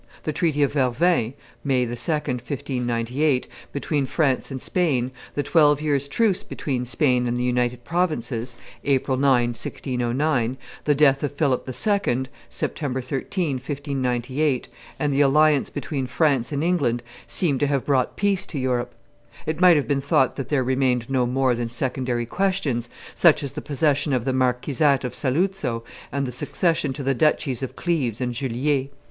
The treaty of Vervins (May 2, 1598) between France and Spain, the twelve years' truce between Spain and the United Provinces (April 9, 1609), the death of Philip II. (September 13, 1598), and the alliance between France and England seemed to have brought peace to Europe. It might have been thought that there remained no more than secondary questions, such as the possession of the marquisate of Saluzzo and the succession to the duchies of C1eves and Juliers.